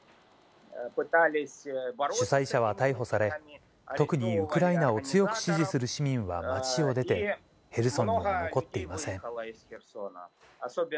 主催者は逮捕され、特にウクライナを強く支持する市民は町を出て、ヘルソンには残っていません。